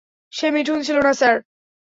সে মিঠুন ছিল না, স্যার।